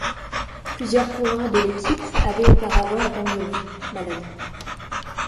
Plusieurs coureurs de l'équipe avaient auparavant abandonné, malades.